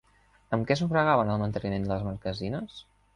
Amb què sufragaven el manteniment de les marquesines?